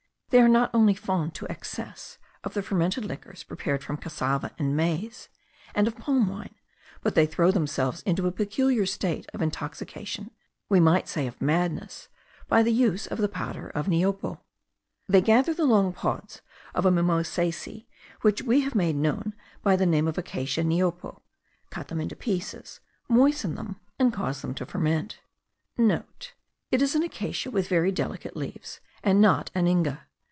They are not only fond to excess of the fermented liquors prepared from cassava and maize, and of palm wine, but they throw themselves into a peculiar state of intoxication, we might say of madness, by the use of the powder of niopo. They gather the long pods of a mimosacea which we have made known by the name of Acacia niopo,* cut them into pieces, moisten them, and cause them to ferment. (* It is an acacia with very delicate leaves, and not an Inga.